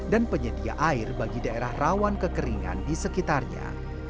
dan penyedia air bagi daerah rawan kekeringan di sekitarnya